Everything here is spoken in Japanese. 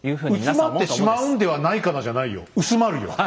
「薄まってしまうんではないかな」じゃないよ。薄まるよ。